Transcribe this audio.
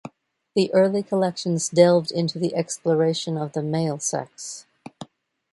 The early collections delved into the exploration of the male sex.